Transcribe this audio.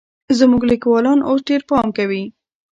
زموږ ليکوالان اوس ډېر پام کوي.